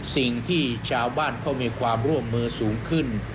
สิ่งที่ชาวบ้านเขามีความร่วมมือสูงขึ้น